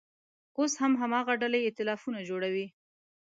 اوس هم هماغه ډلې اییتلافونه جوړوي.